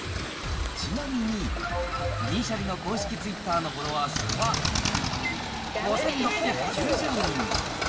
ちなみに、銀シャリの公式ツイッターのフォロワー数は、５６９０人。